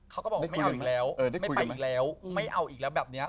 เขาก็บอกไม่เอาอีกแล้วไม่ไปอีกแล้วไม่เอาอีกแล้วแบบนี้